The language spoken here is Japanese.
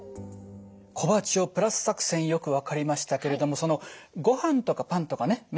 「小鉢をプラス」作戦よく分かりましたけれどもそのご飯とかパンとかね